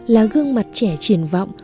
là gương mặt trẻ triển vọng